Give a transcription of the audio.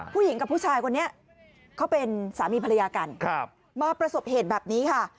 ผู้หญิงกับผู้ชายคนนี้เขาเป็นสามีภรรยากันมาประสบเหตุแบบนี้ค่ะ